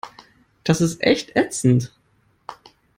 Das ist echt ätzend.